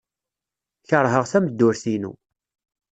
Keṛheɣ tameddurt-inu.